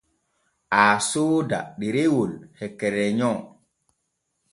Aa sooda ɗerewol e kereyon.